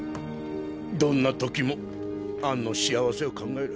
どんな時もアンの幸せを考える。